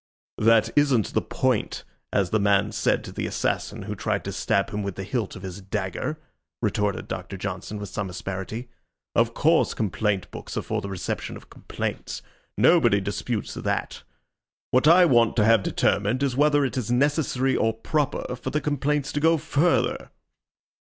"That isn't the point, as the man said to the assassin who tried to stab him with the hilt of his dagger," retorted Doctor Johnson, with some asperity. "Of course, complaint books are for the reception of complaints nobody disputes that. What I want to have determined is whether it is necessary or proper for the complaints to go further."